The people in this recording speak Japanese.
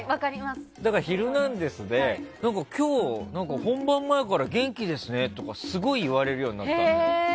だから「ヒルナンデス！」で今日、本番前から元気ですねってすごい言われるようになったの。